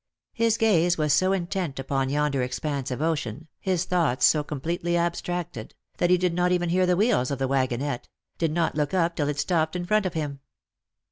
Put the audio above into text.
His gaze was so intent upon yonder expanse of ocean, his thoughts so com pletely abstracted, that he did not even hear the wheels of the wagonette — 'did not look up till it stopped in front of him.